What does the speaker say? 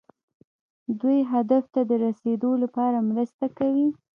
دوی هدف ته د رسیدو لپاره مرسته کوي.